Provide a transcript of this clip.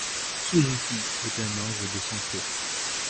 Tsuzuki est un ange de sang pur.